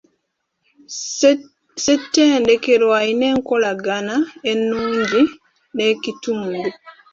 Ssettendekero alina enkolagana ennungi n'ekitundu.